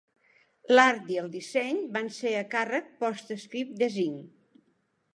L'art i el disseny van ser a càrrec PostScript Design.